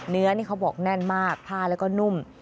เนื้อนี่เขาบอกแน่นมากผ้าแล้วก็นุ่ม